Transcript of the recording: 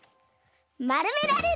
「まるめられる」。